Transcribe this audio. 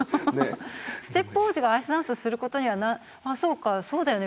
ステップ王子がアイスダンスする事にはあっそうかそうだよね